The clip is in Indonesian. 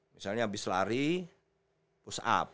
misalnya habis lari push up